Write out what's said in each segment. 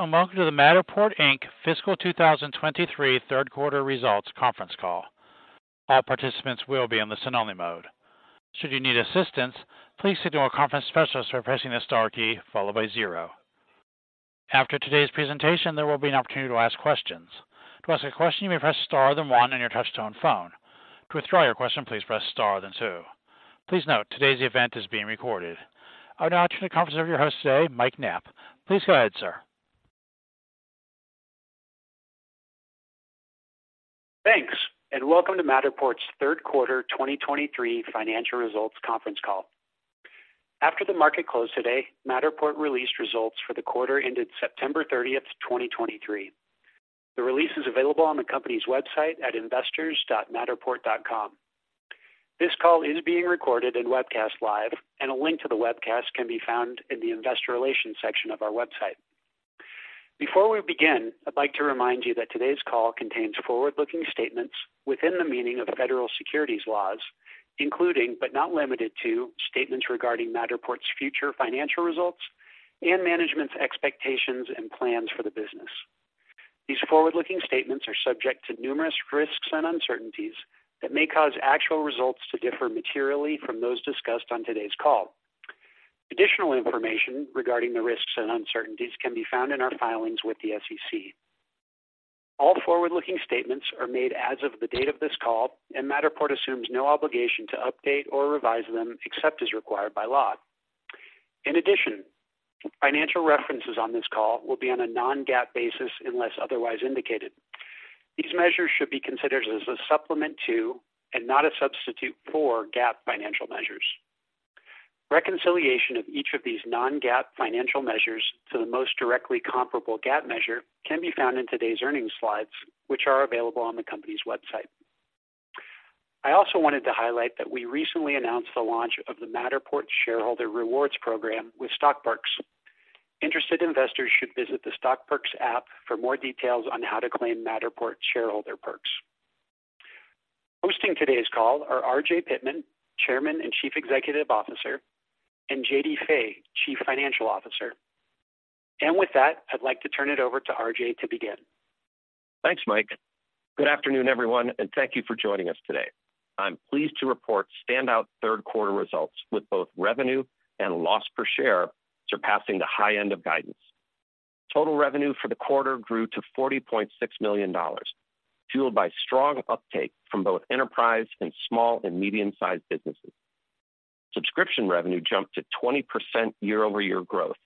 Hello, and welcome to the Matterport Inc. Fiscal 2023 third quarter results conference call. All participants will be in the listen-only mode. Should you need assistance, please signal a conference specialist by pressing the star key followed by zero. After today's presentation, there will be an opportunity to ask questions. To ask a question, you may press star, then one on your touchtone phone. To withdraw your question, please press star, then two. Please note, today's event is being recorded. I would now turn the conference over to your host today, Mike Knapp. Please go ahead, sir. Thanks, and welcome to Matterport's third quarter 2023 financial results conference call. After the market closed today, Matterport released results for the quarter ended September 30th, 2023. The release is available on the company's website at investors.matterport.com. This call is being recorded and webcast live, and a link to the webcast can be found in the Investor Relations section of our website. Before we begin, I'd like to remind you that today's call contains forward-looking statements within the meaning of federal securities laws, including, but not limited to, statements regarding Matterport's future financial results and management's expectations and plans for the business. These forward-looking statements are subject to numerous risks and uncertainties that may cause actual results to differ materially from those discussed on today's call. Additional information regarding the risks and uncertainties can be found in our filings with the SEC. All forward-looking statements are made as of the date of this call, and Matterport assumes no obligation to update or revise them except as required by law. In addition, financial references on this call will be on a Non-GAAP basis unless otherwise indicated. These measures should be considered as a supplement to, and not a substitute for, GAAP financial measures. Reconciliation of each of these Non-GAAP financial measures to the most directly comparable GAAP measure can be found in today's earnings slides, which are available on the company's website. I also wanted to highlight that we recently announced the launch of the Matterport Shareholder Rewards Program with Stockperks. Interested investors should visit the Stockperks app for more details on how to claim Matterport shareholder perks. Hosting today's call are RJ Pittman, Chairman and Chief Executive Officer, and JD Fay, Chief Financial Officer. With that, I'd like to turn it over to RJ to begin. Thanks, Mike. Good afternoon, everyone, and thank you for joining us today. I'm pleased to report standout third quarter results, with both revenue and loss per share surpassing the high end of guidance. Total revenue for the quarter grew to $40.6 million, fueled by strong uptake from both enterprise and small and medium-sized businesses. Subscription revenue jumped to 20% year-over-year growth,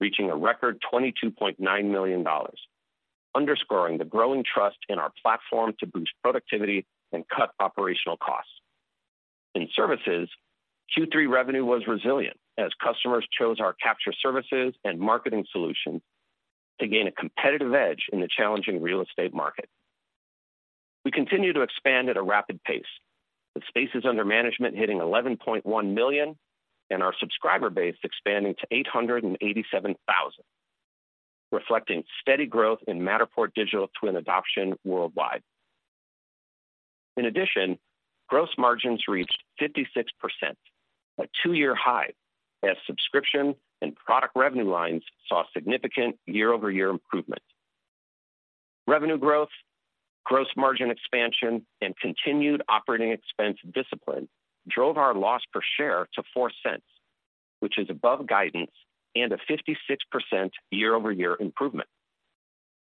reaching a record $22.9 million, underscoring the growing trust in our platform to boost productivity and cut operational costs. In services, Q3 revenue was resilient as customers chose our capture services and marketing solutions to gain a competitive edge in the challenging real estate market. We continue to expand at a rapid pace, with spaces under management hitting 11.1 million and our subscriber base expanding to 887,000, reflecting steady growth in Matterport Digital Twin adoption worldwide. In addition, gross margins reached 56%, a two-year high, as subscription and product revenue lines saw significant year-over-year improvement. Revenue growth, gross margin expansion, and continued operating expense discipline drove our loss per share to $0.04, which is above guidance and a 56% year-over-year improvement.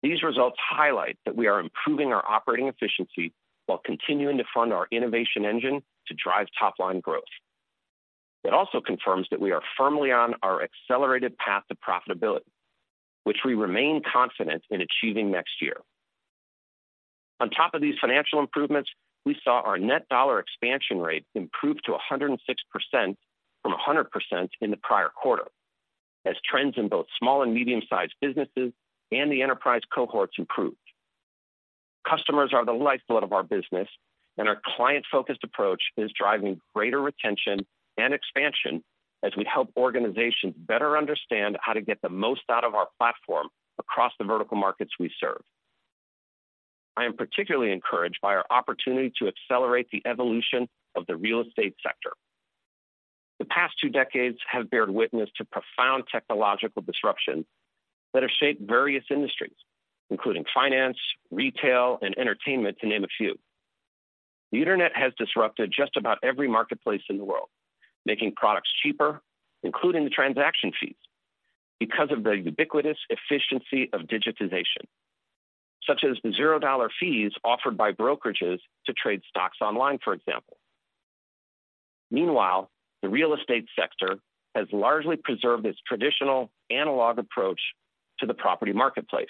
These results highlight that we are improving our operating efficiency while continuing to fund our innovation engine to drive top-line growth. It also confirms that we are firmly on our accelerated path to profitability, which we remain confident in achieving next year. On top of these financial improvements, we saw our Net Dollar Expansion Rate improve to 106% from 100% in the prior quarter, as trends in both small and medium-sized businesses and the enterprise cohorts improved. Customers are the lifeblood of our business, and our client-focused approach is driving greater retention and expansion as we help organizations better understand how to get the most out of our platform across the vertical markets we serve. I am particularly encouraged by our opportunity to accelerate the evolution of the real estate sector. The past two decades have beared witness to profound technological disruptions that have shaped various industries, including finance, retail, and entertainment, to name a few. The internet has disrupted just about every marketplace in the world, making products cheaper, including the transaction fees, because of the ubiquitous efficiency of digitization, such as the $0 fees offered by brokerages to trade stocks online, for example. Meanwhile, the real estate sector has largely preserved its traditional analog approach to the property marketplace,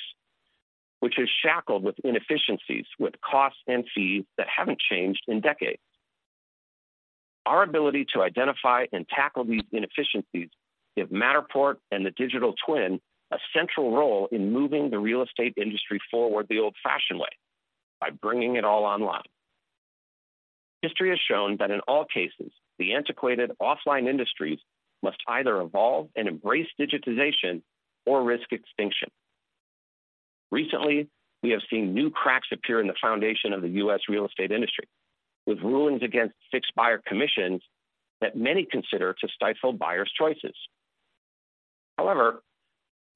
which is shackled with inefficiencies, with costs and fees that haven't changed in decades. Our ability to identify and tackle these inefficiencies give Matterport and the digital twin a central role in moving the real estate industry forward the old-fashioned way, by bringing it all online. History has shown that in all cases, the antiquated offline industries must either evolve and embrace digitization or risk extinction. Recently, we have seen new cracks appear in the foundation of the U.S. real estate industry, with rulings against fixed buyer commissions that many consider to stifle buyers' choices.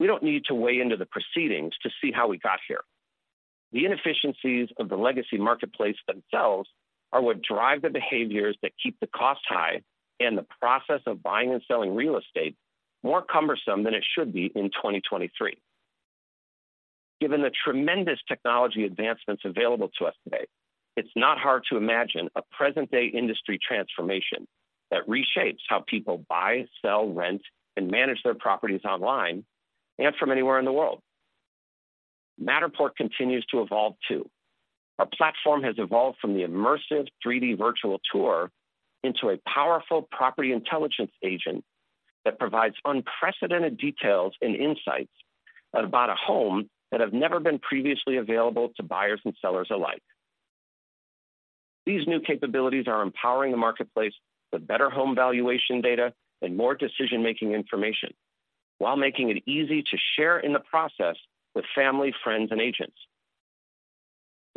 However, we don't need to weigh into the proceedings to see how we got here. The inefficiencies of the legacy marketplace themselves are what drive the behaviors that keep the cost high and the process of buying and selling real estate more cumbersome than it should be in 2023. Given the tremendous technology advancements available to us today, it's not hard to imagine a present-day industry transformation that reshapes how people buy, sell, rent, and manage their properties online and from anywhere in the world. Matterport continues to evolve, too. Our platform has evolved from the immersive 3D virtual tour into a powerful property intelligence agent that provides unprecedented details and insights about a home that have never been previously available to buyers and sellers alike. These new capabilities are empowering the marketplace with better home valuation data and more decision-making information, while making it easy to share in the process with family, friends, and agents.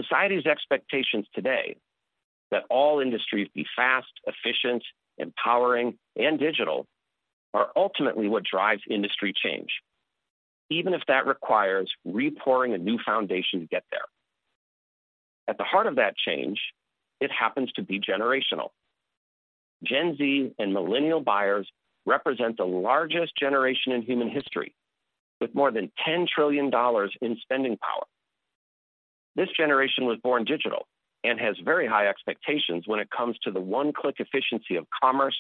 Society's expectations today, that all industries be fast, efficient, empowering, and digital, are ultimately what drives industry change, even if that requires re-pouring a new foundation to get there. At the heart of that change, it happens to be generational. Gen Z and millennial buyers represent the largest generation in human history, with more than $10 trillion in spending power. This generation was born digital and has very high expectations when it comes to the one-click efficiency of commerce,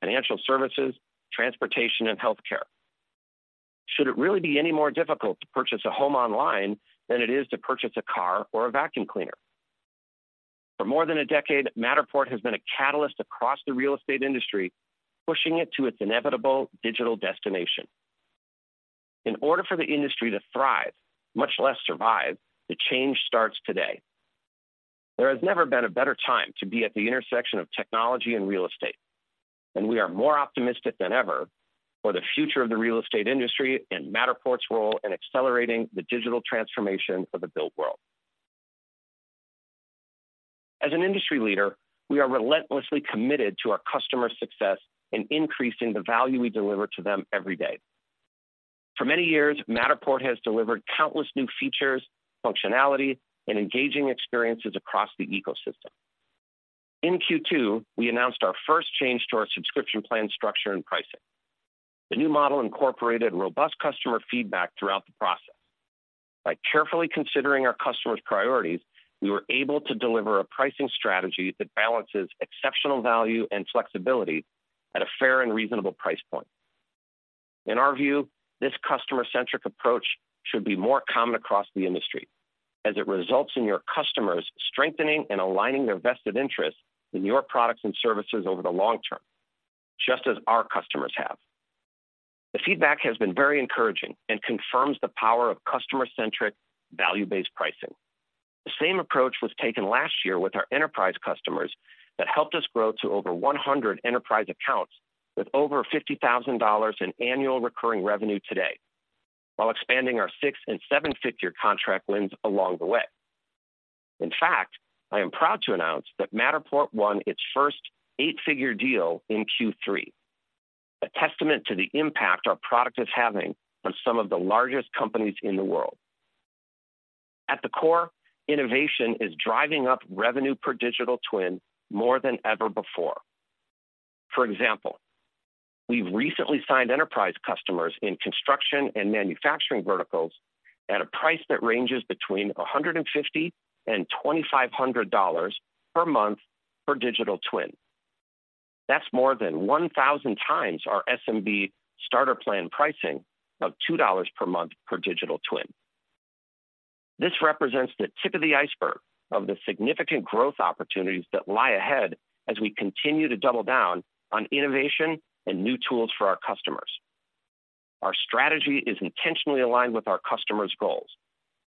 financial services, transportation, and healthcare. Should it really be any more difficult to purchase a home online than it is to purchase a car or a vacuum cleaner? For more than a decade, Matterport has been a catalyst across the real estate industry, pushing it to its inevitable digital destination. In order for the industry to thrive, much less survive, the change starts today. There has never been a better time to be at the intersection of technology and real estate, and we are more optimistic than ever for the future of the real estate industry and Matterport's role in accelerating the digital transformation of the built world. As an industry leader, we are relentlessly committed to our customers' success in increasing the value we deliver to them every day. For many years, Matterport has delivered countless new features, functionality, and engaging experiences across the ecosystem. In Q2, we announced our first change to our subscription plan, structure, and pricing. The new model incorporated robust customer feedback throughout the process. By carefully considering our customers' priorities, we were able to deliver a pricing strategy that balances exceptional value and flexibility at a fair and reasonable price point. In our view, this customer-centric approach should be more common across the industry as it results in your customers strengthening and aligning their vested interests in your products and services over the long term, just as our customers have. The feedback has been very encouraging and confirms the power of customer-centric, value-based pricing. The same approach was taken last year with our enterprise customers that helped us grow to over 100 enterprise accounts, with over $50,000 in annual recurring revenue today, while expanding our six- and seven-figure contract wins along the way. In fact, I am proud to announce that Matterport won its first eight-figure deal in Q3, a testament to the impact our product is having on some of the largest companies in the world. At the core, innovation is driving up revenue per digital twin more than ever before. For example, we've recently signed enterprise customers in construction and manufacturing verticals at a price that ranges between $150-$2,500 per month per digital twin. That's more than 1,000x our SMB starter plan pricing of $2 per month per digital twin. This represents the tip of the iceberg of the significant growth opportunities that lie ahead as we continue to double down on innovation and new tools for our customers. Our strategy is intentionally aligned with our customers' goals.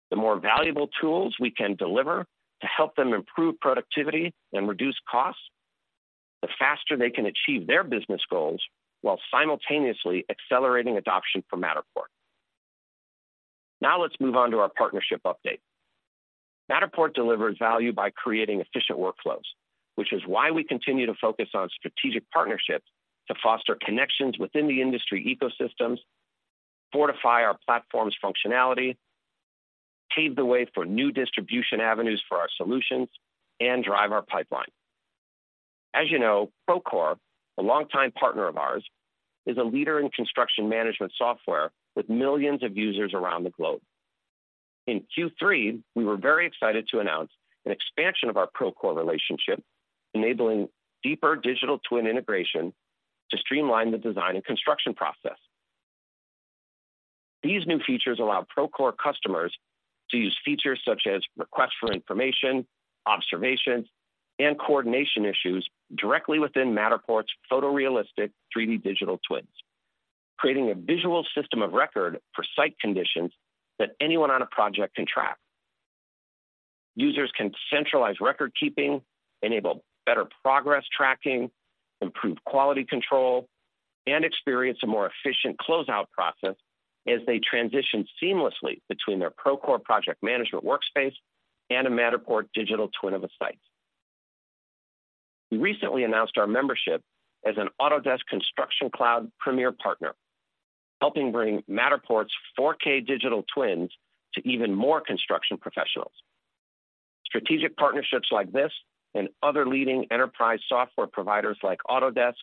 The more valuable tools we can deliver to help them improve productivity and reduce costs, the faster they can achieve their business goals while simultaneously accelerating adoption for Matterport. Now, let's move on to our partnership update. Matterport delivers value by creating efficient workflows, which is why we continue to focus on strategic partnerships to foster connections within the industry ecosystems, fortify our platform's functionality, pave the way for new distribution avenues for our solutions, and drive our pipeline. As you know, Procore, a longtime partner of ours, is a leader in construction management software with millions of users around the globe. In Q3, we were very excited to announce an expansion of our Procore relationship, enabling deeper digital twin integration to streamline the design and construction process. These new features allow Procore customers to use features such as request for information, observations, and coordination issues directly within Matterport's photorealistic 3D digital twins, creating a visual system of record for site conditions that anyone on a project can track... Users can centralize record keeping, enable better progress tracking, improve quality control, and experience a more efficient closeout process as they transition seamlessly between their Procore project management workspace and a Matterport digital twin of a site. We recently announced our membership as an Autodesk Construction Cloud Premier Partner, helping bring Matterport's 4K digital twins to even more construction professionals. Strategic partnerships like this and other leading enterprise software providers like Autodesk,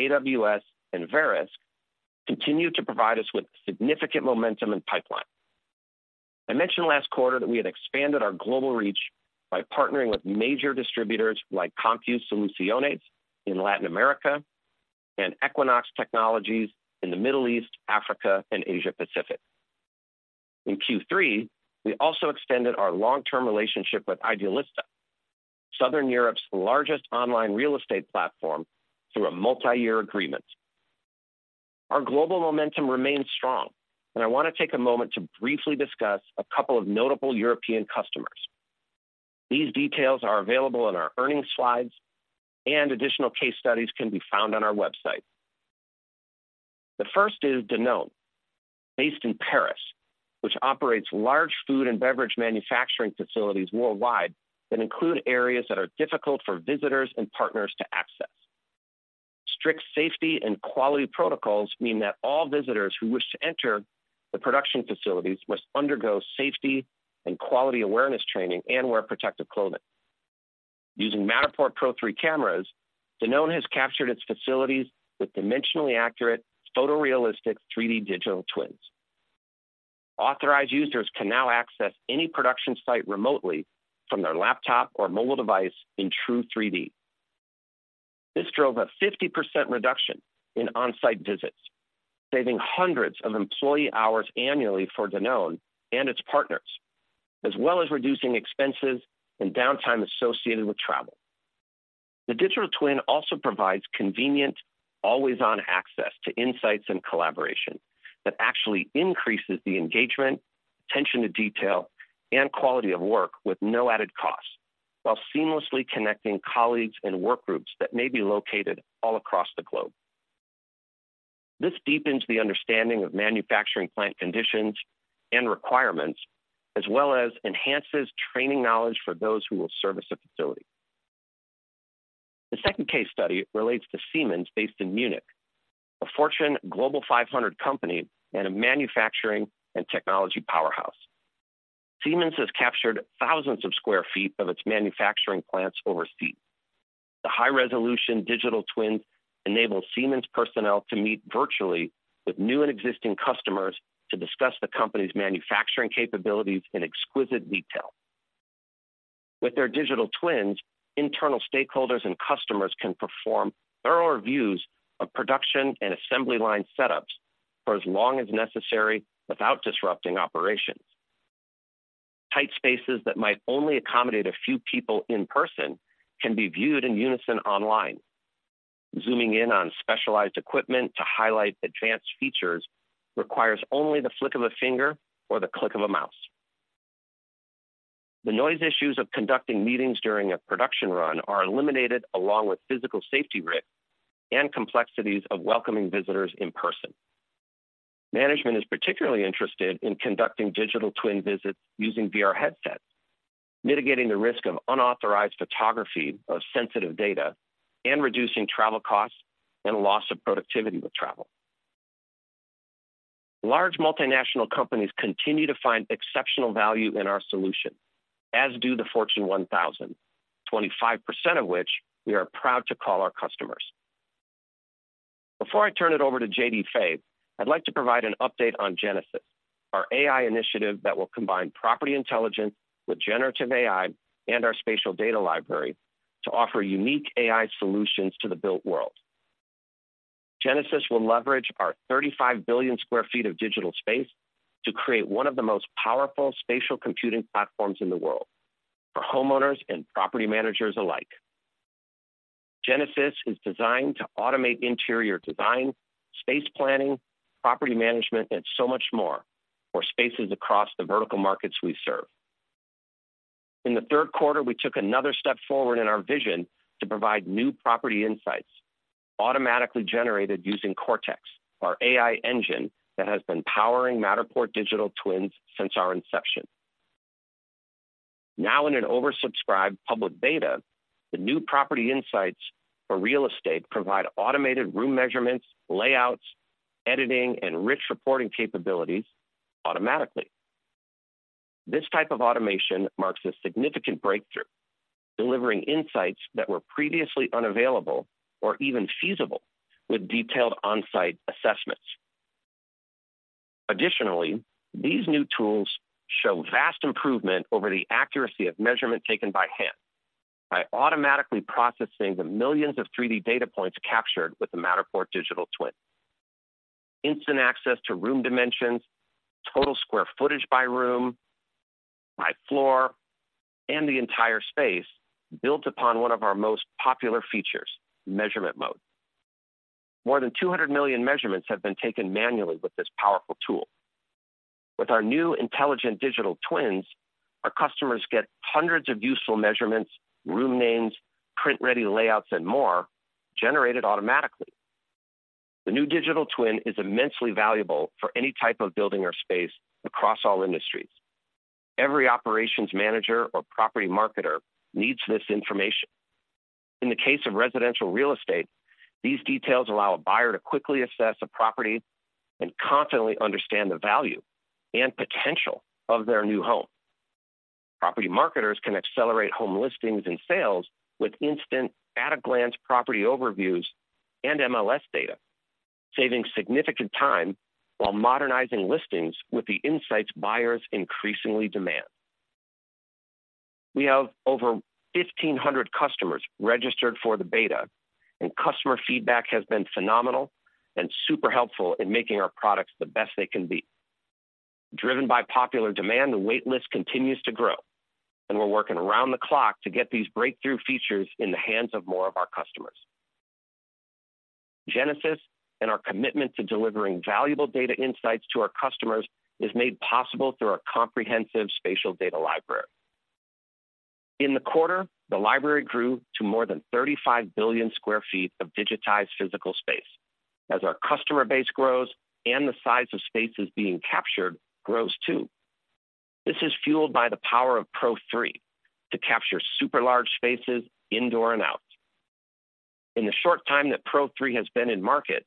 AWS, and Verisk continue to provide us with significant momentum and pipeline. I mentioned last quarter that we had expanded our global reach by partnering with major distributors like CompuSoluciones in Latin America and Equinox Technologies in the Middle East, Africa, and Asia Pacific. In Q3, we also extended our long-term relationship with idealista, Southern Europe's largest online real estate platform, through a multi-year agreement. Our global momentum remains strong, and I want to take a moment to briefly discuss a couple of notable European customers. These details are available in our earnings slides, and additional case studies can be found on our website. The first is Danone, based in Paris, which operates large food and beverage manufacturing facilities worldwide that include areas that are difficult for visitors and partners to access. Strict safety and quality protocols mean that all visitors who wish to enter the production facilities must undergo safety and quality awareness training and wear protective clothing. Using Matterport Pro3 cameras, Danone has captured its facilities with dimensionally accurate, photorealistic 3D digital twins. Authorized users can now access any production site remotely from their laptop or mobile device in true 3D. This drove a 50% reduction in on-site visits, saving hundreds of employee hours annually for Danone and its partners, as well as reducing expenses and downtime associated with travel. The digital twin also provides convenient, always-on access to insights and collaboration that actually increases the engagement, attention to detail, and quality of work with no added cost, while seamlessly connecting colleagues and work groups that may be located all across the globe. This deepens the understanding of manufacturing plant conditions and requirements, as well as enhances training knowledge for those who will service a facility. The second case study relates to Siemens, based in Munich, a Fortune Global 500 company and a manufacturing and technology powerhouse. Siemens has captured thousands of sq ft of its manufacturing plants overseas. The high-resolution digital twins enable Siemens personnel to meet virtually with new and existing customers to discuss the company's manufacturing capabilities in exquisite detail. With their digital twins, internal stakeholders and customers can perform thorough reviews of production and assembly line setups for as long as necessary without disrupting operations. Tight spaces that might only accommodate a few people in person can be viewed in unison online. Zooming in on specialized equipment to highlight advanced features requires only the flick of a finger or the click of a mouse. The noise issues of conducting meetings during a production run are eliminated, along with physical safety risks and complexities of welcoming visitors in person. Management is particularly interested in conducting Digital Twin visits using VR headsets, mitigating the risk of unauthorized photography of sensitive data and reducing travel costs and loss of productivity with travel. Large multinational companies continue to find exceptional value in our solution, as do the Fortune 1000, 25% of which we are proud to call our customers. Before I turn it over to J.D. Fay, I'd like to provide an update on Genesis, our AI initiative that will combine Property Intelligence with Generative AI and our Spatial Data Library to offer unique AI solutions to the built world. Genesis will leverage our 35 billion sq ft of digital space to create one of the most powerful spatial computing platforms in the world for homeowners and property managers alike. Genesis is designed to automate interior design, space planning, property management, and so much more for spaces across the vertical markets we serve. In the third quarter, we took another step forward in our vision to provide new property insights, automatically generated using Cortex, our AI engine that has been powering Matterport digital twins since our inception. Now, in an oversubscribed public beta, the new property insights for real estate provide automated room measurements, layouts, editing, and rich reporting capabilities automatically. This type of automation marks a significant breakthrough, delivering insights that were previously unavailable or even feasible with detailed on-site assessments. Additionally, these new tools show vast improvement over the accuracy of measurement taken by hand by automatically processing the millions of 3D data points captured with the Matterport Digital Twin. Instant access to room dimensions, total square footage by room, by floor, and the entire space, built upon one of our most popular features, Measurement Mode. More than 200 million measurements have been taken manually with this powerful tool. With our new intelligent digital twins, our customers get hundreds of useful measurements, room names, print-ready layouts, and more, generated automatically. The new digital twin is immensely valuable for any type of building or space across all industries. Every operations manager or property marketer needs this information. In the case of residential real estate, these details allow a buyer to quickly assess a property and confidently understand the value and potential of their new home. Property marketers can accelerate home listings and sales with instant, at-a-glance property overviews and MLS data, saving significant time while modernizing listings with the insights buyers increasingly demand. We have over 1,500 customers registered for the beta, and customer feedback has been phenomenal and super helpful in making our products the best they can be. Driven by popular demand, the waitlist continues to grow, and we're working around the clock to get these breakthrough features in the hands of more of our customers. Genesis and our commitment to delivering valuable data insights to our customers is made possible through our comprehensive Spatial Data Library. In the quarter, the library grew to more than 35 billion sq ft of digitized physical space. As our customer base grows and the size of spaces being captured grows, too. This is fueled by the power of Pro3 to capture super large spaces, indoor and out. In the short time that Pro3 has been in market,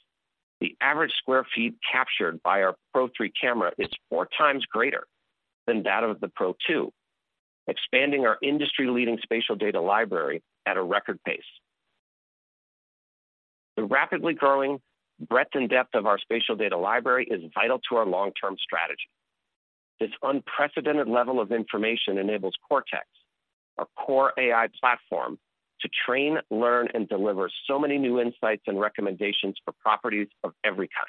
the average square feet captured by our Pro3 camera is four times greater than that of the Pro2, expanding our industry-leading Spatial Data Library at a record pace. The rapidly growing breadth and depth of our Spatial Data Library is vital to our long-term strategy. This unprecedented level of information enables Cortex, our core AI platform, to train, learn, and deliver so many new insights and recommendations for properties of every kind.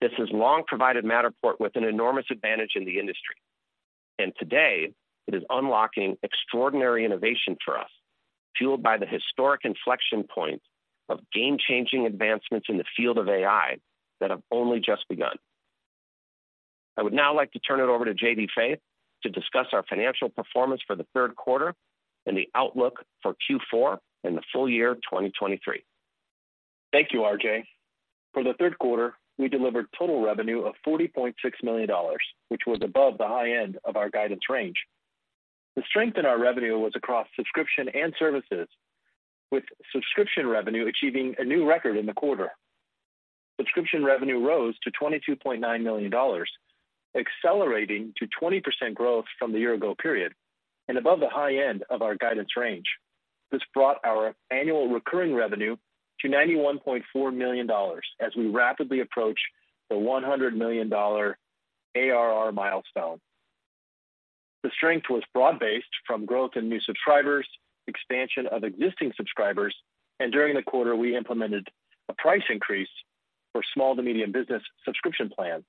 This has long provided Matterport with an enormous advantage in the industry, and today it is unlocking extraordinary innovation for us, fueled by the historic inflection point of game-changing advancements in the field of AI that have only just begun. I would now like to turn it over to J.D. Fay to discuss our financial performance for the third quarter and the outlook for Q4 and the full year 2023. Thank you, RJ. For the third quarter, we delivered total revenue of $40.6 million, which was above the high end of our guidance range. The strength in our revenue was across subscription and services, with subscription revenue achieving a new record in the quarter. Subscription revenue rose to $22.9 million, accelerating to 20% growth from the year ago period and above the high end of our guidance range. This brought our annual recurring revenue to $91.4 million, as we rapidly approach the $100 million ARR milestone. The strength was broad-based from growth in new subscribers, expansion of existing subscribers, and during the quarter, we implemented a price increase for small to medium business subscription plans.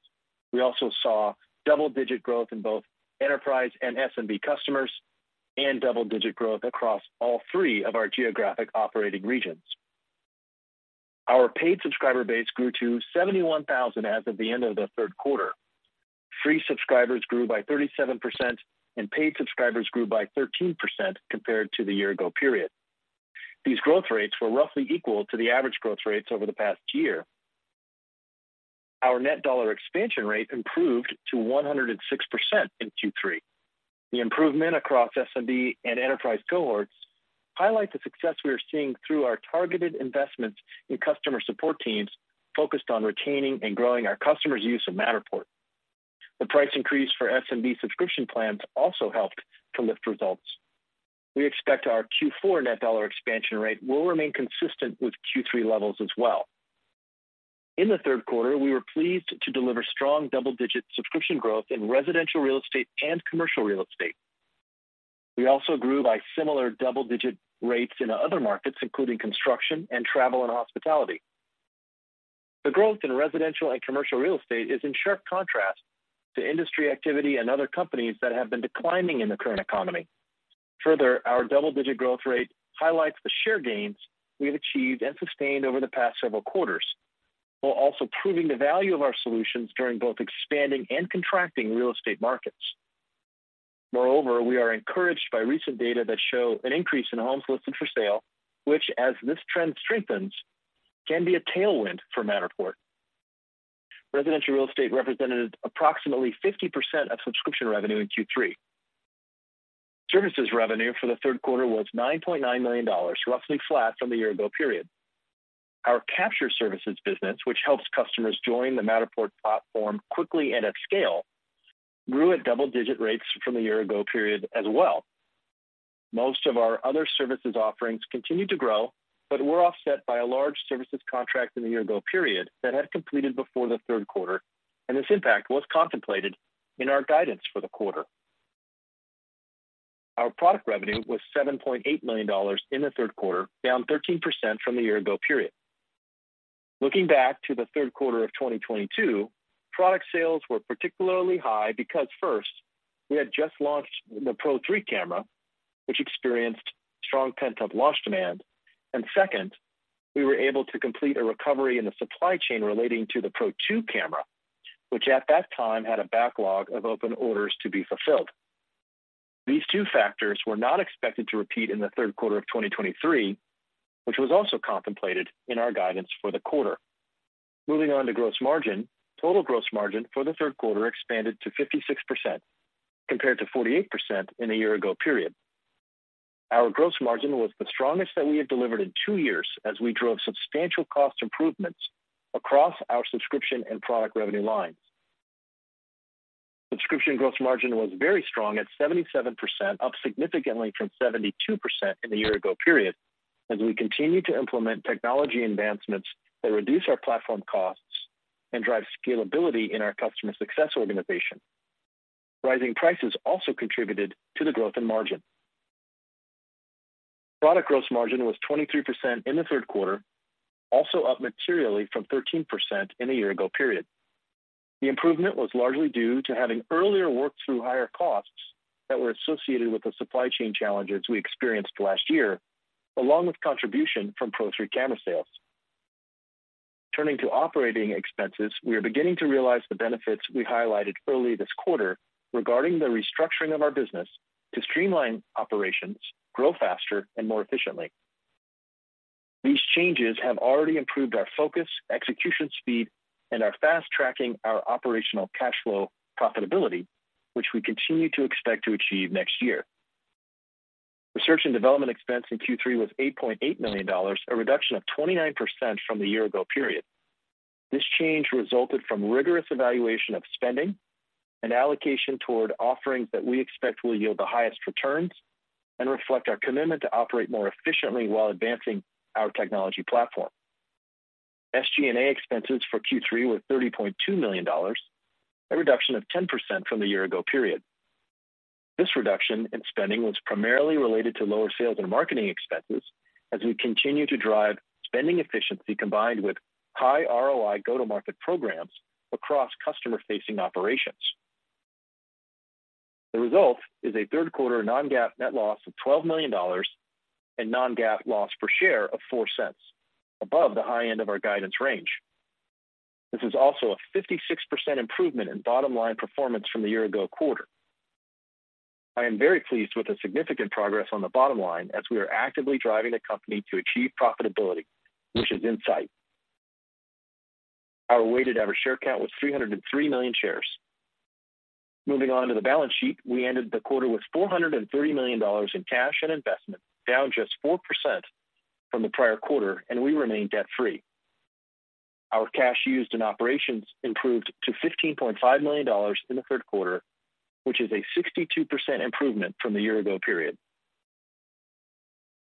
We also saw double-digit growth in both enterprise and SMB customers and double-digit growth across all three of our geographic operating regions. Our paid subscriber base grew to 71,000 subscribers as of the end of the third quarter. Free subscribers grew by 37%, and paid subscribers grew by 13% compared to the year ago period. These growth rates were roughly equal to the average growth rates over the past year. Our Net Dollar Expansion Rate improved to 106% in Q3. The improvement across SMB and enterprise cohorts highlight the success we are seeing through our targeted investments in customer support teams, focused on retaining and growing our customers' use of Matterport. The price increase for SMB subscription plans also helped to lift results. We expect our Q4 Net Dollar Expansion Rate will remain consistent with Q3 levels as well. In the third quarter, we were pleased to deliver strong double-digit subscription growth in residential real estate and commercial real estate. We also grew by similar double-digit rates in other markets, including construction and travel and hospitality. The growth in residential and commercial real estate is in sharp contrast to industry activity and other companies that have been declining in the current economy. Further, our double-digit growth rate highlights the share gains we have achieved and sustained over the past several quarters, while also proving the value of our solutions during both expanding and contracting real estate markets. Moreover, we are encouraged by recent data that show an increase in homes listed for sale, which, as this trend strengthens, can be a tailwind for Matterport. Residential real estate represented approximately 50% of subscription revenue in Q3. Services revenue for the third quarter was $9.9 million, roughly flat from the year ago period. Our Capture Services business, which helps customers join the Matterport platform quickly and at scale, grew at double-digit rates from the year ago period as well. Most of our other services offerings continued to grow, but were offset by a large services contract in the year ago period that had completed before the third quarter, and this impact was contemplated in our guidance for the quarter. Our product revenue was $7.8 million in the third quarter, down 13% from the year ago period. Looking back to the third quarter of 2022, product sales were particularly high because first, we had just launched the Pro3 Camera, which experienced strong pent-up launch demand. And second, we were able to complete a recovery in the supply chain relating to the Pro2 Camera, which at that time had a backlog of open orders to be fulfilled. These two factors were not expected to repeat in the third quarter of 2023, which was also contemplated in our guidance for the quarter. Moving on to gross margin. Total gross margin for the third quarter expanded to 56%, compared to 48% in the year ago period. Our gross margin was the strongest that we had delivered in two years, as we drove substantial cost improvements across our subscription and product revenue lines. Subscription gross margin was very strong at 77%, up significantly from 72% in the year ago period, as we continue to implement technology advancements that reduce our platform costs and drive scalability in our customer success organization. Rising prices also contributed to the growth in margin. Product gross margin was 23% in the third quarter, also up materially from 13% in the year ago period. The improvement was largely due to having earlier worked through higher costs that were associated with the supply chain challenges we experienced last year, along with contribution from Pro3 camera sales. Turning to operating expenses, we are beginning to realize the benefits we highlighted early this quarter regarding the restructuring of our business to streamline operations, grow faster and more efficiently. These changes have already improved our focus, execution speed, and are fast-tracking our operational cash flow profitability, which we continue to expect to achieve next year. Research and development expense in Q3 was $8.8 million, a reduction of 29% from the year ago period. This change resulted from rigorous evaluation of spending and allocation toward offerings that we expect will yield the highest returns and reflect our commitment to operate more efficiently while advancing our technology platform. SG&A expenses for Q3 were $30.2 million, a reduction of 10% from the year ago period. This reduction in spending was primarily related to lower sales and marketing expenses as we continue to drive spending efficiency combined with high ROI go-to-market programs across customer-facing operations. The result is a third quarter Non-GAAP net loss of $12 million and Non-GAAP loss per share of $0.04, above the high end of our guidance range. This is also a 56% improvement in bottom line performance from the year ago quarter. I am very pleased with the significant progress on the bottom line as we are actively driving the company to achieve profitability, which is in sight. Our weighted average share count was 303 million shares. Moving on to the balance sheet. We ended the quarter with $430 million in cash and investment, down just 4% from the prior quarter, and we remain debt-free. Our cash used in operations improved to $15.5 million in the third quarter, which is a 62% improvement from the year ago period.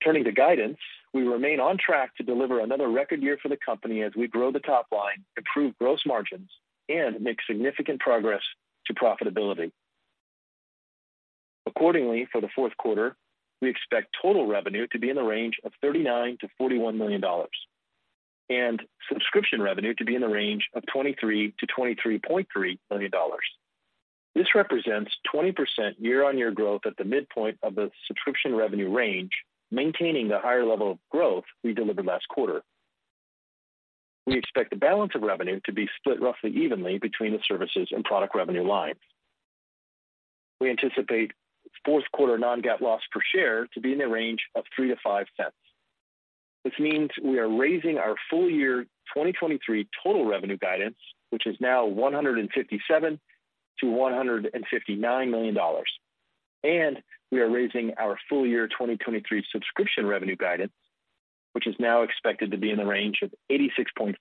Turning to guidance, we remain on track to deliver another record year for the company as we grow the top line, improve gross margins, and make significant progress to profitability. Accordingly, for the fourth quarter, we expect total revenue to be in the range of $39 million-$41 million, and subscription revenue to be in the range of $23 million-$23.3 million. This represents 20% year-on-year growth at the midpoint of the subscription revenue range, maintaining the higher level of growth we delivered last quarter. We expect the balance of revenue to be split roughly evenly between the services and product revenue lines. We anticipate fourth quarter Non-GAAP loss per share to be in the range of $0.03-$0.05. This means we are raising our full year 2023 total revenue guidance, which is now $157 million-$159 million, and we are raising our full year 2023 subscription revenue guidance, which is now expected to be in the range of $86.5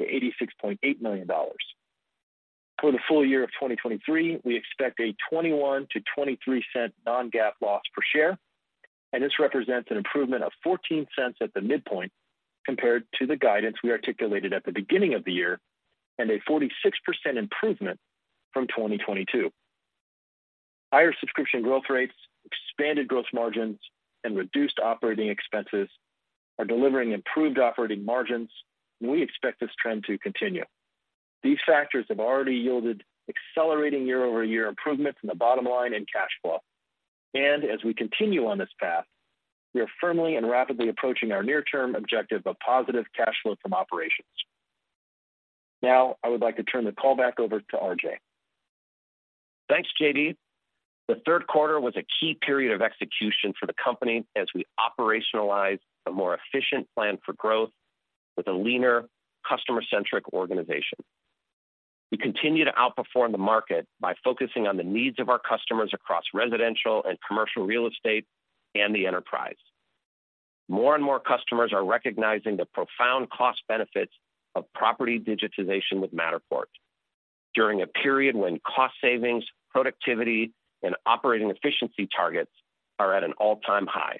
million-$86.8 million. For the full year of 2023, we expect a $0.21-$0.23 Non-GAAP loss per share, and this represents an improvement of $0.14 at the midpoint compared to the guidance we articulated at the beginning of the year, and a 46% improvement from 2022. Higher subscription growth rates, expanded gross margins, and reduced operating expenses are delivering improved operating margins, and we expect this trend to continue. These factors have already yielded accelerating year-over-year improvements in the bottom line and cash flow. As we continue on this path, we are firmly and rapidly approaching our near-term objective of positive cash flow from operations. Now, I would like to turn the call back over to RJ. Thanks, JD. The third quarter was a key period of execution for the company as we operationalized a more efficient plan for growth with a leaner, customer-centric organization. We continue to outperform the market by focusing on the needs of our customers across residential and commercial real estate and the enterprise. More and more customers are recognizing the profound cost benefits of property digitization with Matterport during a period when cost savings, productivity, and operating efficiency targets are at an all-time high.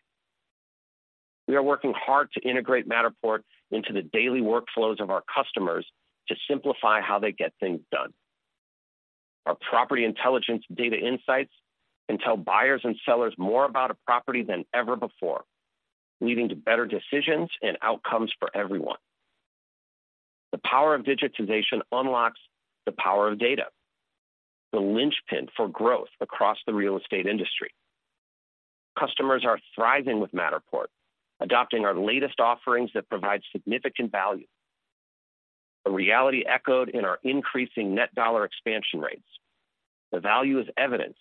We are working hard to integrate Matterport into the daily workflows of our customers to simplify how they get things done. Our property intelligence data insights can tell buyers and sellers more about a property than ever before, leading to better decisions and outcomes for everyone. The power of digitization unlocks the power of data, the linchpin for growth across the real estate industry. Customers are thriving with Matterport, adopting our latest offerings that provide significant value, a reality echoed in our increasing net dollar expansion rates. The value is evidenced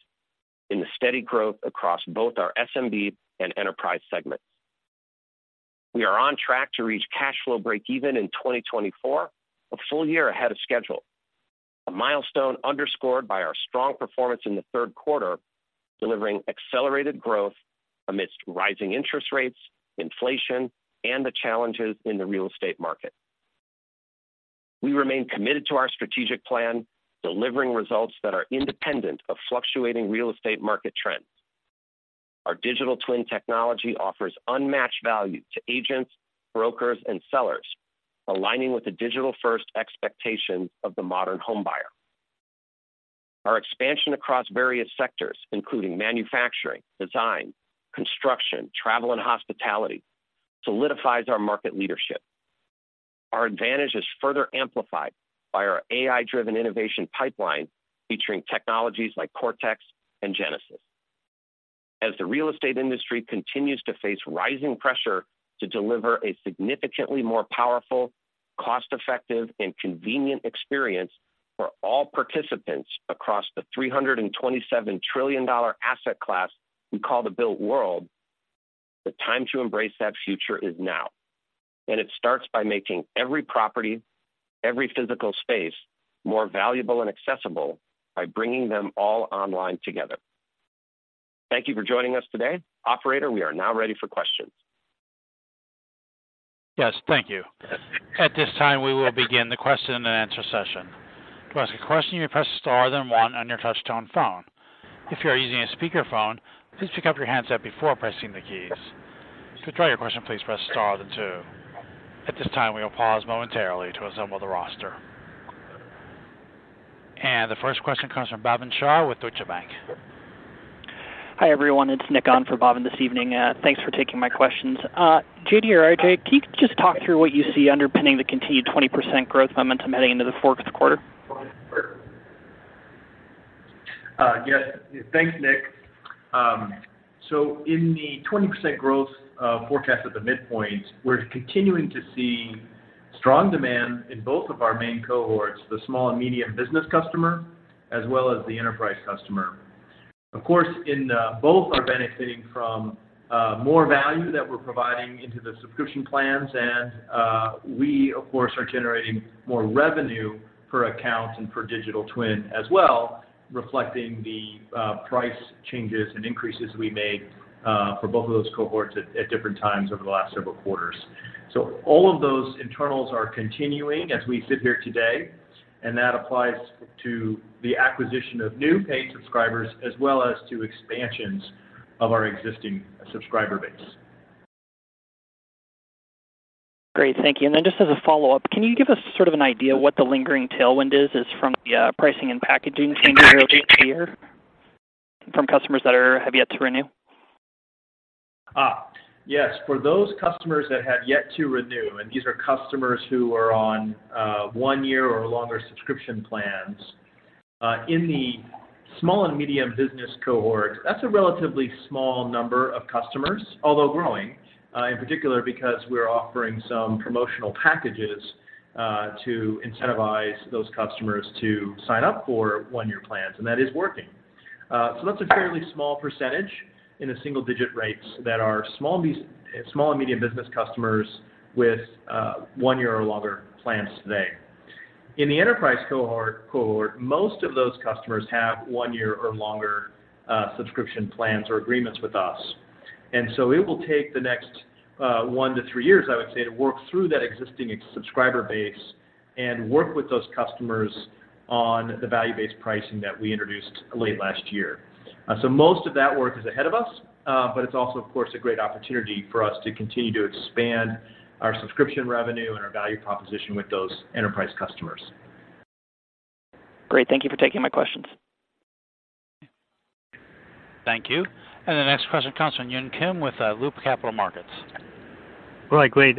in the steady growth across both our SMB and enterprise segments. We are on track to reach cash flow break even in 2024, a full year ahead of schedule. A milestone underscored by our strong performance in the third quarter, delivering accelerated growth amidst rising interest rates, inflation, and the challenges in the real estate market. We remain committed to our strategic plan, delivering results that are independent of fluctuating real estate market trends. Our Digital Twin technology offers unmatched value to agents, brokers, and sellers, aligning with the digital-first expectations of the modern homebuyer. Our expansion across various sectors, including manufacturing, design, construction, travel, and hospitality, solidifies our market leadership. Our advantage is further amplified by our AI-driven innovation pipeline, featuring technologies like Cortex and Genesis. As the real estate industry continues to face rising pressure to deliver a significantly more powerful, cost-effective, and convenient experience for all participants across the $327 trillion asset class we call the built world, the time to embrace that future is now, and it starts by making every property, every physical space, more valuable and accessible by bringing them all online together. Thank you for joining us today. Operator, we are now ready for questions. Yes, thank you. At this time, we will begin the question and answer session. To ask a question, you press star, then one on your touchtone phone. If you are using a speakerphone, please pick up your handset before pressing the keys. To withdraw your question, please press star then two. At this time, we will pause momentarily to assemble the roster. The first question comes from Bhavin Shah with Deutsche Bank. Hi, everyone. It's Nick on for Bhavin this evening. Thanks for taking my questions. J.D. or R.J., can you just talk through what you see underpinning the continued 20% growth momentum heading into the fourth quarter? Yes. Thanks, Nick. So in the 20% growth forecast at the midpoint, we're continuing to see strong demand in both of our main cohorts, the small and medium business customer, as well as the enterprise customer. Of course, both are benefiting from more value that we're providing into the subscription plans, and we, of course, are generating more revenue per account and per digital twin as well, reflecting the price changes and increases we made for both of those cohorts at different times over the last several quarters. So all of those internals are continuing as we sit here today, and that applies to the acquisition of new paid subscribers as well as to expansions of our existing subscriber base. Great. Thank you. Then just as a follow-up, can you give us sort of an idea what the lingering tailwind is from the pricing and packaging changes earlier this year from customers that have yet to renew? Yes. For those customers that have yet to renew, and these are customers who are on one-year or longer subscription plans in the small and medium business cohort, that's a relatively small number of customers, although growing, in particular because we're offering some promotional packages to incentivize those customers to sign up for one-year plans, and that is working. So that's a fairly small percentage in the single-digit rates that are small and medium business customers with one-year or longer plans today. In the enterprise cohort, most of those customers have one-year or longer subscription plans or agreements with us. And so it will take the next 1-3 years, I would say, to work through that existing subscriber base and work with those customers on the value-based pricing that we introduced late last year. So most of that work is ahead of us, but it's also, of course, a great opportunity for us to continue to expand our subscription revenue and our value proposition with those enterprise customers. Great. Thank you for taking my questions. Thank you. The next question comes from Yun Kim with Loop Capital Markets. Right. Great.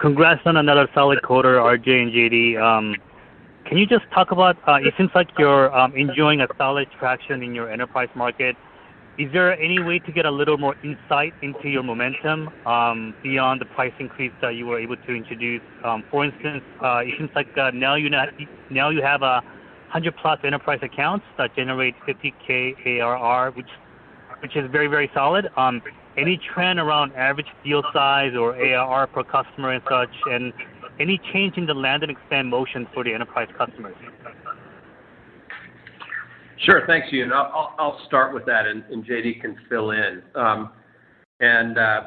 Congrats on another solid quarter, R.J. and J.D. Can you just talk about it seems like you're enjoying a solid traction in your enterprise market. Is there any way to get a little more insight into your momentum beyond the price increase that you were able to introduce? For instance, it seems like now you have 100+ enterprise accounts that generate $50K ARR, which is very, very solid. Any trend around average deal size or ARR per customer and such, and any change in the land and expand motions for the enterprise customers? Sure. Thanks, Yoon. I'll start with that, and J.D. can fill in.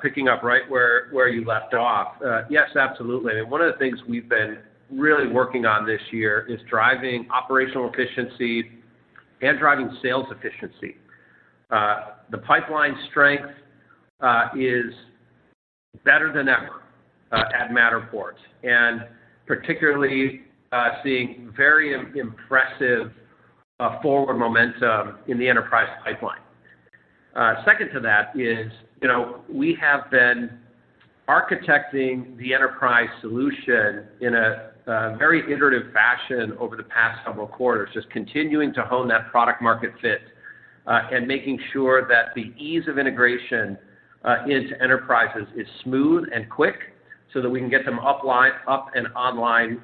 Picking up right where you left off, yes, absolutely. One of the things we've been really working on this year is driving operational efficiency and driving sales efficiency. The pipeline strength is better than ever at Matterport, and particularly, seeing very impressive forward momentum in the enterprise pipeline.... Second to that is, you know, we have been architecting the enterprise solution in a very iterative fashion over the past several quarters, just continuing to hone that product market fit, and making sure that the ease of integration into enterprises is smooth and quick so that we can get them upline, up and online,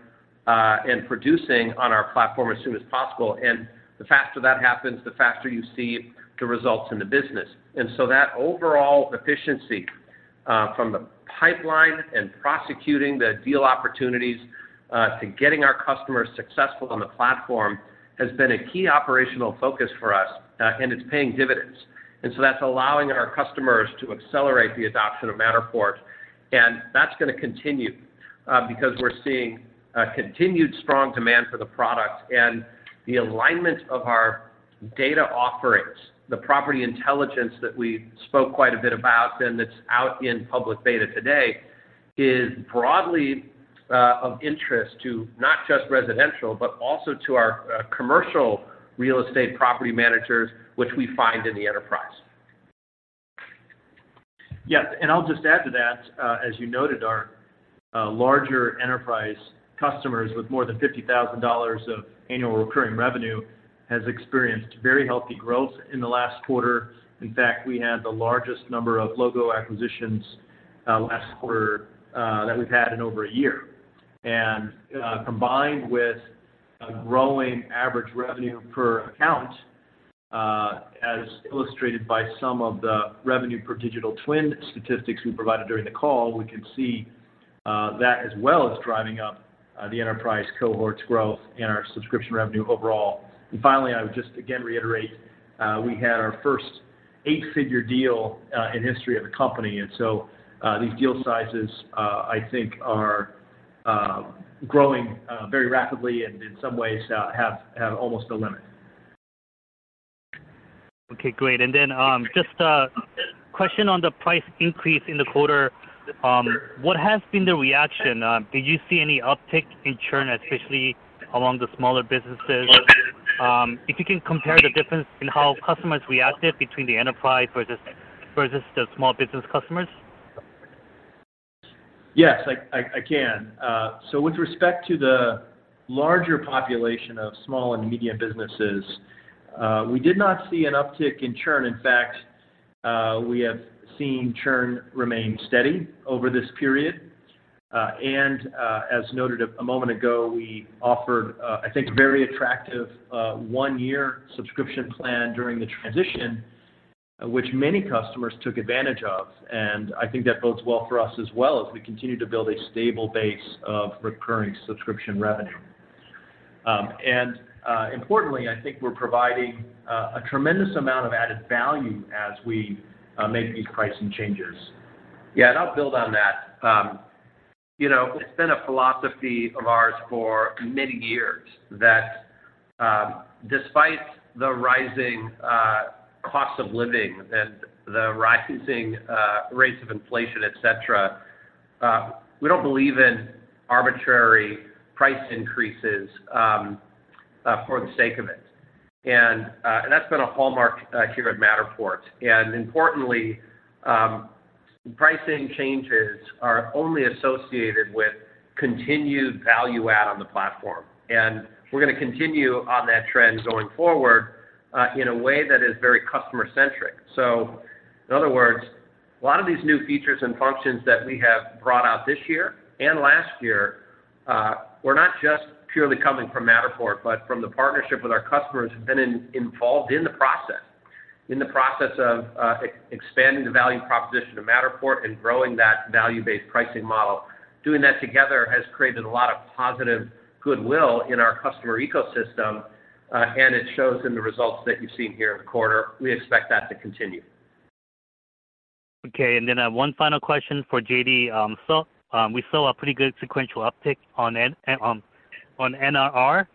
and producing on our platform as soon as possible. And the faster that happens, the faster you see the results in the business. And so that overall efficiency from the pipeline and prosecuting the deal opportunities to getting our customers successful on the platform has been a key operational focus for us, and it's paying dividends. And so that's allowing our customers to accelerate the adoption of Matterport, and that's gonna continue because we're seeing a continued strong demand for the product. The alignment of our data offerings, the Property Intelligence that we spoke quite a bit about and that's out in public beta today, is broadly of interest to not just residential, but also to our commercial real estate property managers, which we find in the enterprise. Yes, and I'll just add to that, as you noted, our larger enterprise customers with more than $50,000 of annual recurring revenue, has experienced very healthy growth in the last quarter. In fact, we had the largest number of logo acquisitions last quarter that we've had in over a year. And combined with a growing average revenue per account, as illustrated by some of the revenue per digital twin statistics we provided during the call, we can see that as well as driving up the enterprise cohorts growth and our subscription revenue overall. And finally, I would just again reiterate, we had our first eight-figure deal in the history of the company, and so these deal sizes I think are growing very rapidly and in some ways have almost no limit. Okay, great. And then, just a question on the price increase in the quarter. What has been the reaction? Do you see any uptick in churn, especially among the smaller businesses? If you can compare the difference in how customers reacted between the enterprise versus, versus the small business customers. Yes, I can. So with respect to the larger population of small and medium businesses, we did not see an uptick in churn. In fact, we have seen churn remain steady over this period. And as noted a moment ago, we offered a, I think, very attractive one-year subscription plan during the transition, which many customers took advantage of, and I think that bodes well for us as well as we continue to build a stable base of recurring subscription revenue. And importantly, I think we're providing a tremendous amount of added value as we make these pricing changes. Yeah, and I'll build on that. You know, it's been a philosophy of ours for many years that, despite the rising cost of living and the rising rates of inflation, et cetera, we don't believe in arbitrary price increases for the sake of it. And that's been a hallmark here at Matterport. And importantly, pricing changes are only associated with continued value add on the platform, and we're gonna continue on that trend going forward in a way that is very customer-centric. So in other words, a lot of these new features and functions that we have brought out this year and last year were not just purely coming from Matterport, but from the partnership with our customers who have been involved in the process. In the process of expanding the value proposition of Matterport and growing that value-based pricing model. Doing that together has created a lot of positive goodwill in our customer ecosystem, and it shows in the results that you've seen here in the quarter. We expect that to continue. Okay, and then, one final question for JD. So, we saw a pretty good sequential uptick on NRR.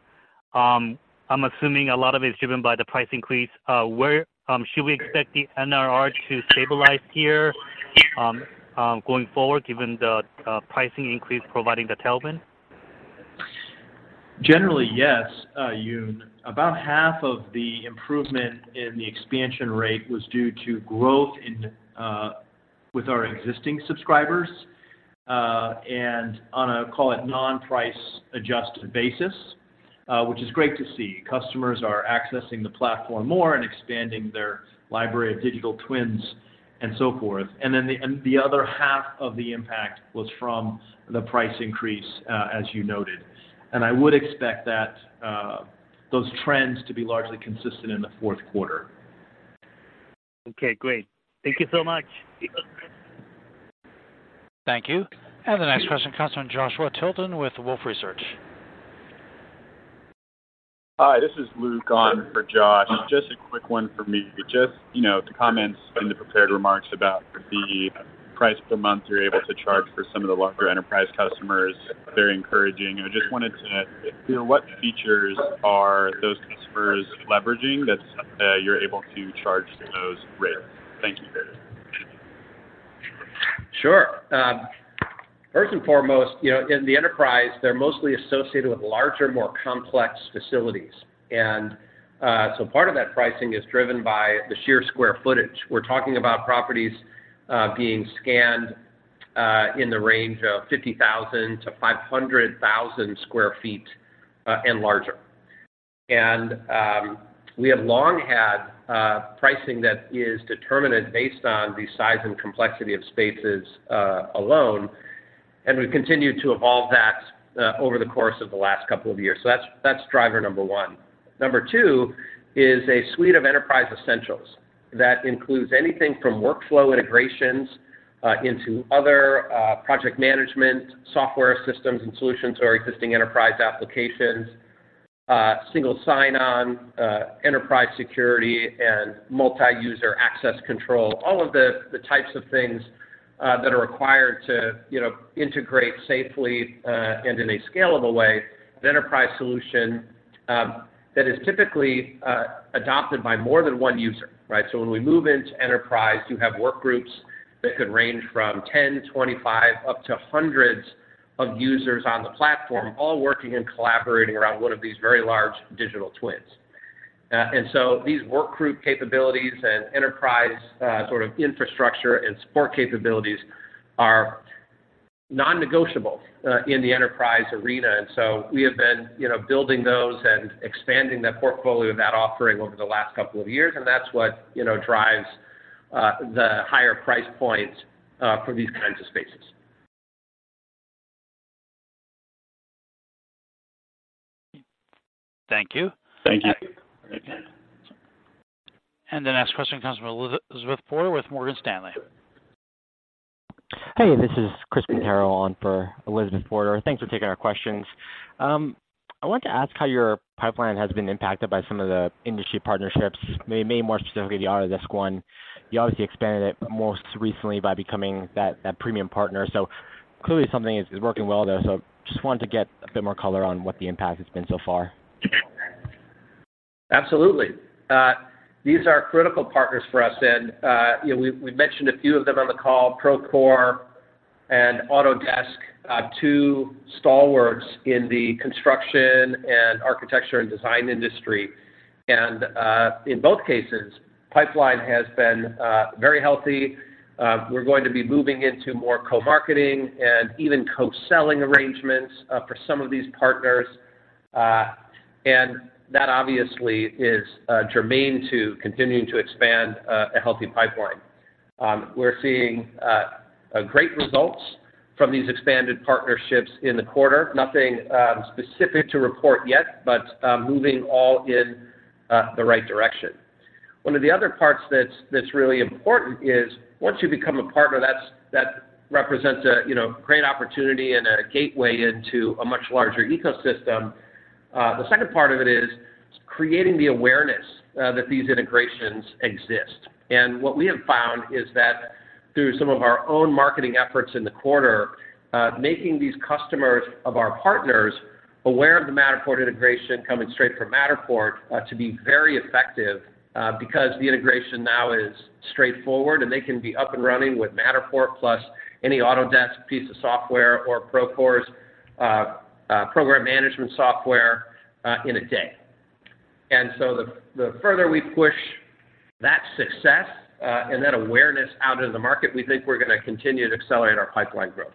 I'm assuming a lot of it is driven by the price increase. Where should we expect the NRR to stabilize here, going forward, given the pricing increase providing the tailwind? Generally, yes, Yoon. About half of the improvement in the expansion rate was due to growth in with our existing subscribers and on a, call it, non-price adjusted basis, which is great to see. Customers are accessing the platform more and expanding their library of digital twins and so forth. And the other half of the impact was from the price increase, as you noted, and I would expect that those trends to be largely consistent in the fourth quarter. Okay, great. Thank you so much. Thank you. The next question comes from Joshua Tilton with Wolfe Research. Hi, this is Luke on for Josh. Just a quick one for me. Just, you know, the comments in the prepared remarks about the price per month you're able to charge for some of the larger enterprise customers, very encouraging. I just wanted to know, what features are those customers leveraging that you're able to charge those rates? Thank you.... Sure. First and foremost, you know, in the enterprise, they're mostly associated with larger, more complex facilities. And, so part of that pricing is driven by the sheer square footage. We're talking about properties being scanned in the range of 50,000 sq ft-500,000 sq ft and larger. And, we have long had pricing that is determined based on the size and complexity of spaces alone, and we've continued to evolve that over the course of the last couple of years. So that's driver number one. Number two is a suite of enterprise essentials that includes anything from workflow integrations into other project management software systems and solutions to our existing enterprise applications single sign-on enterprise security, and multi-user access control. All of the types of things that are required to, you know, integrate safely and in a scalable way, an enterprise solution that is typically adopted by more than one user, right? So when we move into enterprise, you have work groups that could range from 10, 25, up to hundreds of users on the platform, all working and collaborating around one of these very large digital twins. And so these work group capabilities and enterprise sort of infrastructure and support capabilities are non-negotiable in the enterprise arena. And so we have been, you know, building those and expanding that portfolio of that offering over the last couple of years, and that's what, you know, drives the higher price points for these kinds of spaces. Thank you. Thank you. The next question comes from Elizabeth Porter with Morgan Stanley. Hey, this is Chris Quintero on for Elizabeth Porter. Thanks for taking our questions. I want to ask how your pipeline has been impacted by some of the industry partnerships, maybe more specifically, the Autodesk one. You obviously expanded it most recently by becoming that premium partner. Clearly, something is working well there. Just wanted to get a bit more color on what the impact has been so far. Absolutely. These are critical partners for us, and, you know, we, we've mentioned a few of them on the call, Procore and Autodesk, two stalwarts in the construction and architecture and design industry. In both cases, pipeline has been very healthy. We're going to be moving into more co-marketing and even co-selling arrangements, for some of these partners. And that obviously is germane to continuing to expand a healthy pipeline. We're seeing a great results from these expanded partnerships in the quarter. Nothing specific to report yet, but, moving all in the right direction. One of the other parts that's really important is, once you become a partner, that represents a, you know, great opportunity and a gateway into a much larger ecosystem. The second part of it is creating the awareness that these integrations exist. And what we have found is that through some of our own marketing efforts in the quarter, making these customers of our partners aware of the Matterport integration coming straight from Matterport to be very effective, because the integration now is straightforward, and they can be up and running with Matterport, plus any Autodesk piece of software or Procore's program management software, in a day. And so the further we push that success and that awareness out into the market, we think we're going to continue to accelerate our pipeline growth.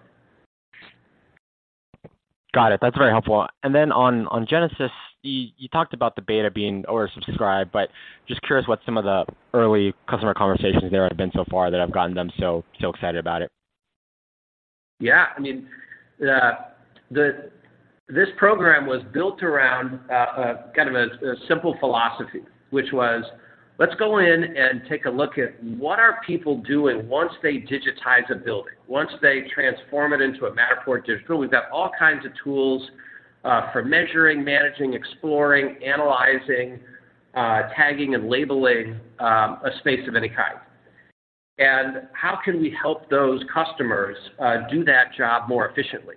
Got it. That's very helpful. And then on Genesis, you talked about the beta being oversubscribed, but just curious what some of the early customer conversations there have been so far that have gotten them so excited about it? Yeah. I mean, this program was built around, kind of a simple philosophy, which was, let's go in and take a look at what are people doing once they digitize a building, once they transform it into a Matterport digital? We've got all kinds of tools, for measuring, managing, exploring, analyzing, tagging, and labeling, a space of any kind. And how can we help those customers, do that job more efficiently?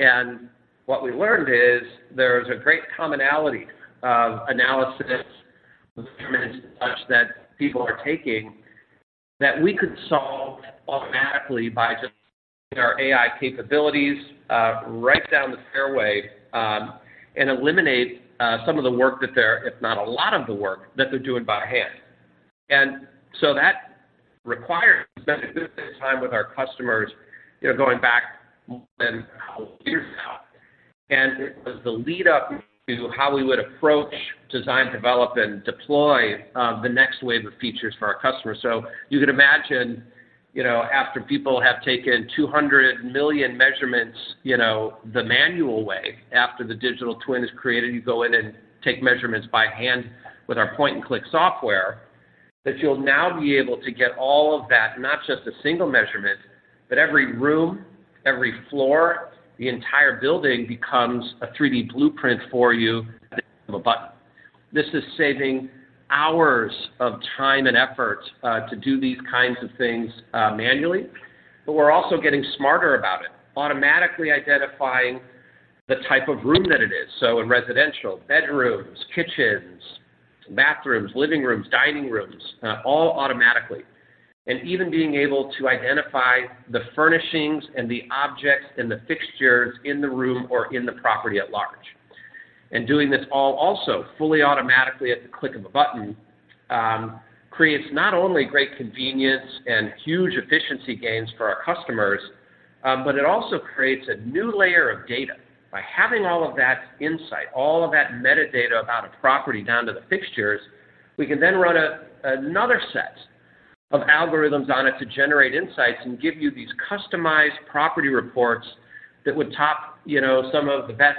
And what we learned is there's a great commonality of analysis, measurements, such that people are taking, that we could solve automatically by just our AI capabilities, right down the fairway, and eliminate, some of the work that they're, if not a lot of the work, that they're doing by hand. And so that required spending a good bit of time with our customers, you know, going back more than a year now. And it was the lead up to how we would approach, design, develop, and deploy the next wave of features for our customers. So you could imagine, you know, after people have taken 200 million measurements, you know, the manual way, after the digital twin is created, you go in and take measurements by hand with our point-and-click software, that you'll now be able to get all of that, not just a single measurement, but every room, every floor, the entire building becomes a 3D blueprint for you at the click of a button. This is saving hours of time and effort to do these kinds of things manually, but we're also getting smarter about it, automatically identifying the type of room that it is. So in residential, bedrooms, kitchens, bathrooms, living rooms, dining rooms, all automatically. Even being able to identify the furnishings and the objects, and the fixtures in the room or in the property at large. Doing this all also fully automatically at the click of a button creates not only great convenience and huge efficiency gains for our customers, but it also creates a new layer of data. By having all of that insight, all of that metadata about a property down to the fixtures, we can then run another set of algorithms on it to generate insights and give you these customized property reports that would top, you know, some of the best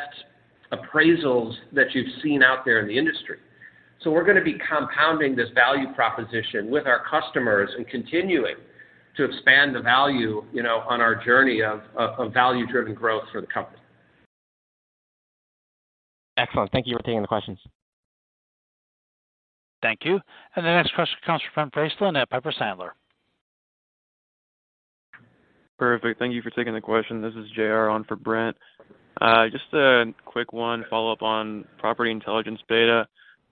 appraisals that you've seen out there in the industry. So we're gonna be compounding this value proposition with our customers and continuing to expand the value, you know, on our journey of value-driven growth for the company. Excellent. Thank you for taking the questions. Thank you. And the next question comes from Brent Bracelin and at Piper Sandler. Perfect. Thank you for taking the question. This is J.R. on for Brent. Just a quick one, follow-up on Property Intelligence beta.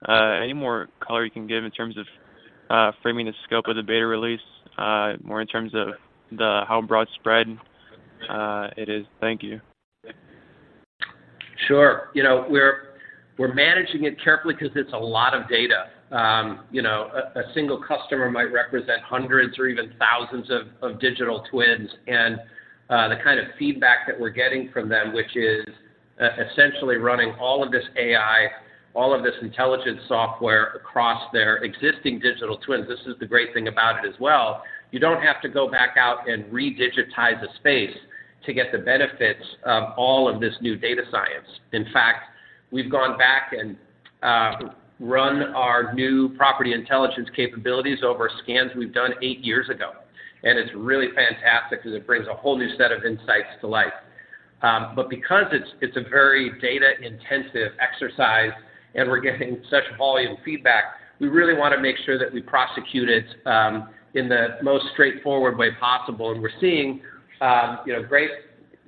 Any more color you can give in terms of, framing the scope of the beta release, more in terms of the, how broad spread, it is? Thank you. Sure. You know, we're managing it carefully 'cause it's a lot of data. You know, a single customer might represent hundreds or even thousands of digital twins, and the kind of feedback that we're getting from them, which is essentially running all of this AI, all of this intelligence software across their existing digital twins. This is the great thing about it as well. You don't have to go back out and re-digitize a space to get the benefits of all of this new data science. In fact, we've gone back and run our new Property Intelligence capabilities over scans we've done eight years ago, and it's really fantastic because it brings a whole new set of insights to life. But because it's, it's a very data-intensive exercise and we're getting such volume feedback, we really wanna make sure that we prosecute it, in the most straightforward way possible. And we're seeing, you know, great,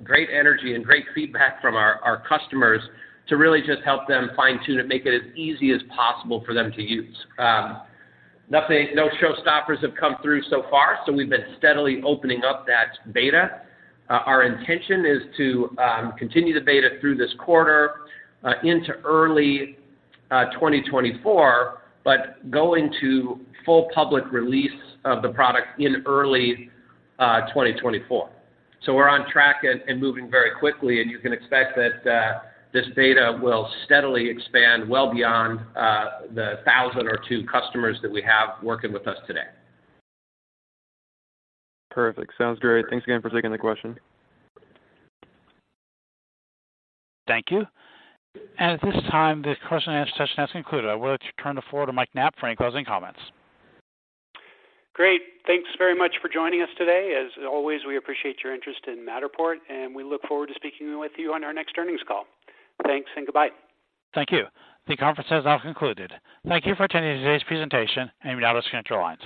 great energy and great feedback from our, our customers to really just help them fine-tune it, make it as easy as possible for them to use. No showstoppers have come through so far, so we've been steadily opening up that beta. Our intention is to continue the beta through this quarter, into early 2024, but go into full public release of the product in early 2024. So we're on track and, and moving very quickly, and you can expect that, this beta will steadily expand well beyond, the 1,000 or two customers that we have working with us today. Perfect. Sounds great. Thanks again for taking the question. Thank you. At this time, the question and answer session has concluded. I would like to turn the floor to Mike Knapp for any closing comments. Great. Thanks very much for joining us today. As always, we appreciate your interest in Matterport, and we look forward to speaking with you on our next earnings call. Thanks and goodbye. Thank you. The conference has now concluded. Thank you for attending today's presentation, and you may now disconnect your lines.